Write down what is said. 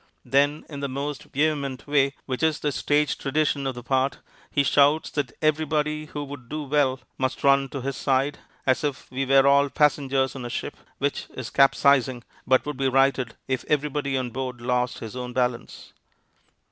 Then, in the most vehement way, which is the stage tradition of the part, he shouts that everybody who would do well must run to his side, as if we were all passengers on a ship which is capsizing, but would be righted if everybody on board lost his own balance.